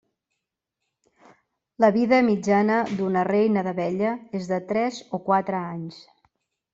La vida mitjana d'una reina d'abella és de tres o quatre anys.